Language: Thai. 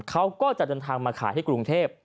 เขาก็จะเดินทางมาขายที่กรุงเทพ